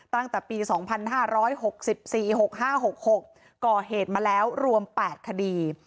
ตั้งแต่ปีสองพันห้าร้อยหกสิบสี่หกห้าหกหกก่อเหตุมาแล้วรวมแปดคดี